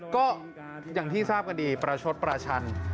ก็อย่างที่ทราบกันดีประชดประชัน